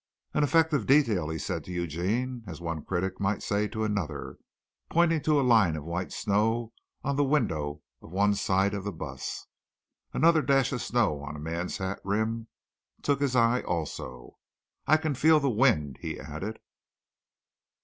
"An effective detail," he said to Eugene, as one critic might say to another, pointing to a line of white snow on the window of one side of the bus. Another dash of snow on a man's hat rim took his eye also. "I can feel the wind," he added.